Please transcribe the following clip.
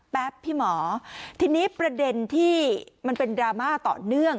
พี่หมอทีนี้ประเด็นที่มันเป็นดราม่าต่อเนื่อง